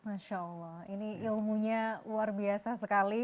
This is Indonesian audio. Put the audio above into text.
masya allah ini ilmunya luar biasa sekali